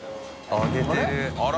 揚げてる。